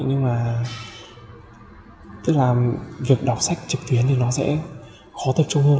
nhưng mà tức là việc đọc sách trực tuyến thì nó sẽ khó tập trung hơn